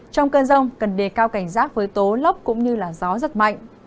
trong cơn rông cần đề cao cảnh giác với tố lốc cũng như gió rất mạnh